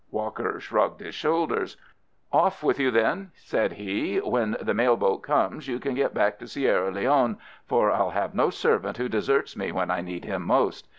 Walker shrugged his shoulders. "Off with you then!" said he. "When the mail boat comes you can get back to Sierra Leone, for I'll have no servant who deserts me when I need him most.